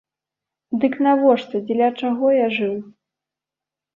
Дык навошта, дзеля чаго я жыў?